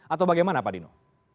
atau bagaimana pak adino